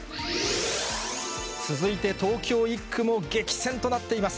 続いて東京１区も激戦となっています。